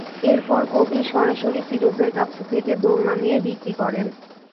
এরপর কবির সরাসরি ফিরোজের কাছ থেকে দোলনা নিয়ে বিক্রি শুরু করেন।